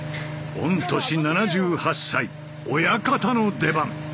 御年７８歳親方の出番。